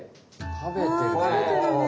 食べてるね。